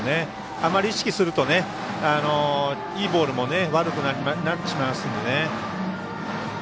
あまり意識すると、いいボールも悪くなってしまいますんでね。